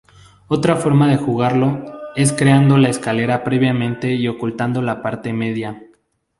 Otra forma de jugarlo es creando la escalera previamente y ocultando la parte media.